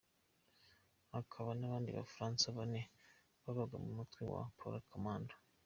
Hakaba n’abandi Bafaransa bane babaga mu mutwe wa para-Comando.